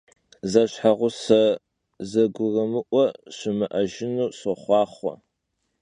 Zeşheğuse zegurımı'ue şımı'ejjınu soxhuaxhue!